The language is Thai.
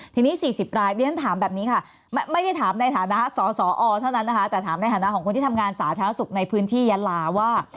ทีนี้๔๐รายเรียนถามแบบนี้ค่ะไม่ได้ถามในฐานะสสอเท่านั้นนะคะแต่ถามในฐานะของคนที่ทำงานสาธารณสุขในพื้นที่ยาลาว่า